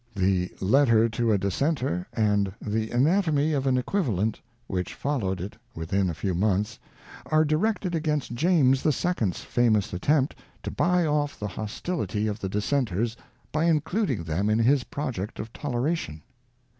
The Letter to a Dissenter and The Anatomy of an Equivalent, which followed it within a few months, are directed against! James the Second's famous attempt to buy oft thej hostility b2 XX INTRODUCTION. hostility of the Dissenters by including them in his project of toleration.